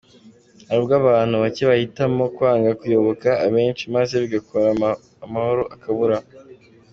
Hari ubwo abantu bake bahitamo kwanga kuyoboka abenshi maze bigakomera amahoro akabura.